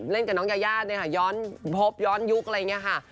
เล่นกับน้องยายาย้อนพบย้อนยุคอะไรอย่างนี้ค่ะ